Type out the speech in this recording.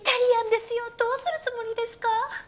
どうするつもりですか？